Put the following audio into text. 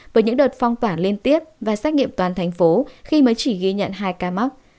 với những đợt phong tỏa liên tiếp và xét nghiệm toàn thành phố khi mới chỉ ghi nhận hai ca mắc